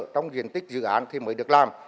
trong diện tích dự án thì mới được làm